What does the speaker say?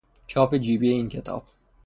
چاپ جیبی این کتاب